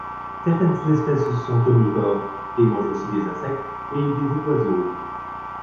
Certaines sous-espèces sont omnivores et mangent aussi des insectes et des œufs d'oiseaux.